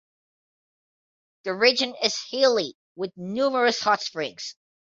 The region is hilly, with numerous hot springs.